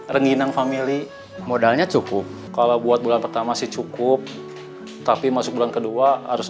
rengginang family modalnya cukup kalau buat bulan pertama sih cukup tapi masuk bulan kedua harus